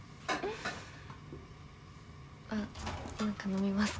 あっ何か飲みますか？